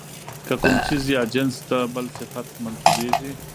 که کوم څيز ىا جنس ته بل صفت منسوبېږي،